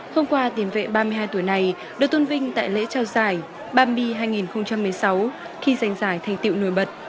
hôm qua tiền vệ ba mươi hai tuổi này được tôn vinh tại lễ trao giải bambi hai nghìn một mươi sáu khi giành giải thành tiệu nổi bật